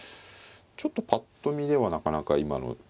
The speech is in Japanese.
ちょっとぱっと見ではなかなか今の。